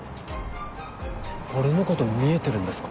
俺のこと見えてるんですか？